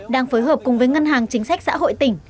đang phối hợp cùng với ngân hàng chính sách xã hội tỉnh